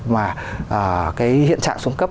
mà cái hiện trạng xuống cấp